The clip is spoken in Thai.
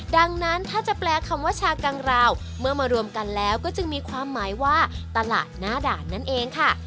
ดังนั้นถ้าจะแปลคำว่าชากังราวเมื่อมารวมกันแล้วก็จึงมีความหมายว่าตลาดหน้าด่านนั่นเองค่ะ